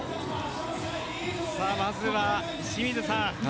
さあ、まずは清水さん